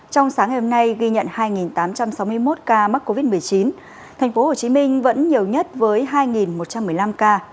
trong sáng hôm nay ghi nhận hai tám trăm sáu mươi một ca mắc covid một mươi chín thành phố hồ chí minh vẫn nhiều nhất với hai một trăm một mươi năm ca và thành phố hà nội là sáu mươi chín ca